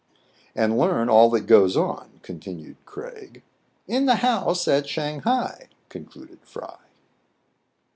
" And learn all that goes on "— continued Craig. " In the house at Shang hai," concluded Fry.